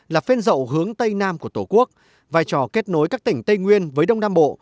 là phên dậu hướng tây nam của tổ quốc vai trò kết nối các tỉnh tây nguyên với đông nam bộ